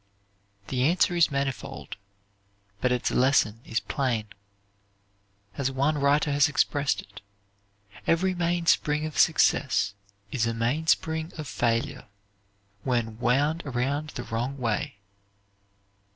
The answer is manifold, but its lesson is plain. As one writer has expressed it, "_Every mainspring of success is a mainspring of failure, when wound around the wrong way.